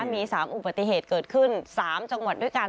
มี๓อุบัติเหตุเกิดขึ้น๓จังหวัดด้วยกัน